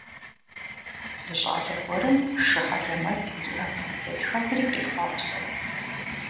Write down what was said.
Зы щӏалэ гуэрым шы хьэлэмэт иӏэт, дэтхэнэри къехъуапсэу.